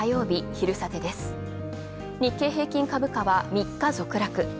日経平均株価は３日続落。